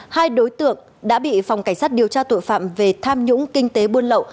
hai đối tượng đã bị phòng cảnh sát điều tra tội phạm về tham nhũng kinh tế buôn lậu